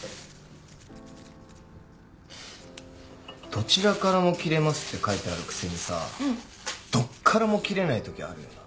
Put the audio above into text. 「どちらからも切れます」って書いてあるくせにさどこからも切れない時あるよな。